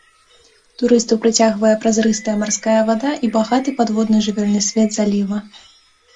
Турыстаў прыцягвае празрыстая марская вада і багаты падводны жывёльны свет заліва.